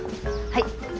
はい。